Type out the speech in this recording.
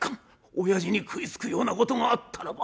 おやじに食いつくようなことがあったらば」。